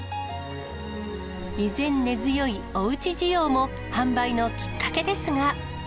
依然、根強いおうち需要も販売のきっかけですが。